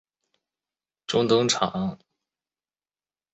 第二章中登场。